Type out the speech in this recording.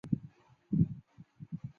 他也参加过左翼运动和市民运动。